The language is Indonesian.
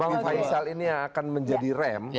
bahwa misalnya ini akan menjadi rem